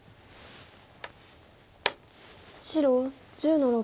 白１０の六トビ。